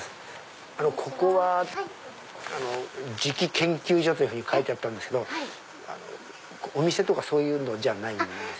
ここは磁器研究所というふうに書いてあったんですけどお店とかそういうのじゃない？